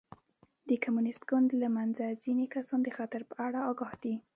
د کمونېست ګوند له منځه ځیني کسان د خطر په اړه اګاه دي.